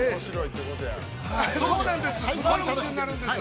◆すごい夢中になるんです。